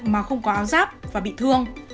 mà không có áo giáp và bị thương